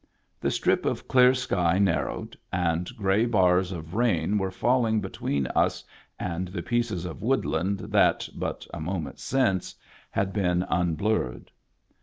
The strip of clear sky narrowed, and gray bars of rain were falling between us and the pieces of woodland that, but a moment since, had been unblurred.